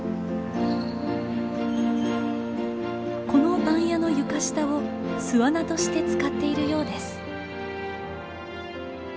この番屋の床下を巣穴として使っているようです。